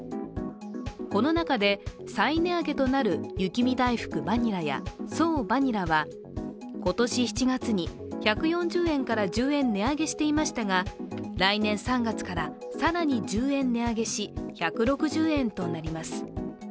この中で再値上げとなる雪見だいふくバニラや爽バニラは今年７月に１４０円から１０円値上げしていましたが来年３月から更に１０円値上げし１６０円となります。